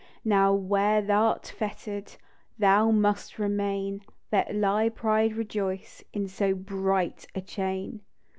"Now where thou 'rt fetter'd Thou must remain ; Let thy pride rejoice In so bright a chain."